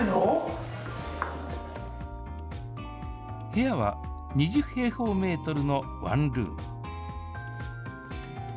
部屋は２０平方メートルのワンルーム。